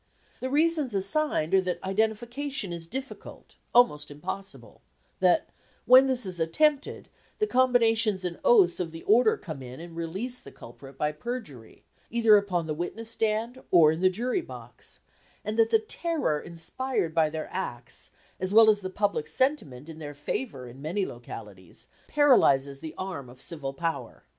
The reasons assigned are that identification is difficult, almost impossible; that, when this is attempted, the combinations and oaths of the order come in and release the culprit by perjury, either upon the witness stand or in the jury box; and that the terror inspired by their acts, as well as the public sentiment in their favour in many localities, paralyzes the arm of civil power.